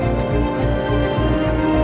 kita bisa berdua kita bisa berdua